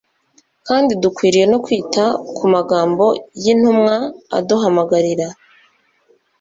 Kandi dukwiriye no kwita ku magambo yintumwa aduhamagarira